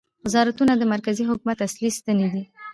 وزارتونه د مرکزي حکومت اصلي ستنې دي